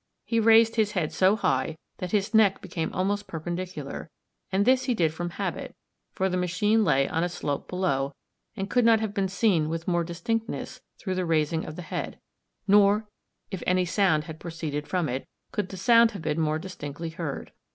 He raised his head so high, that his neck became almost perpendicular; and this he did from habit, for the machine lay on a slope below, and could not have been seen with more distinctness through the raising of the head; nor if any sound had proceeded from it, could the sound have been more distinctly heard.